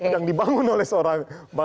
yang dibangun oleh seorang bang aniesinulinga